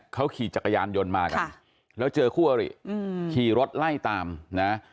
เขาขี่จักรยานยนต์มากันแล้วเจอคู่อริขี่รถไล่ตามนะ